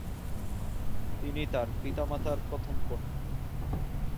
তিনি তার পিতামাতার প্রথম কন্যা।